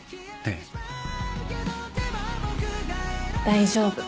大丈夫。